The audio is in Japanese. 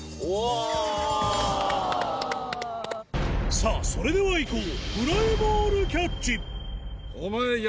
さぁそれではいこう！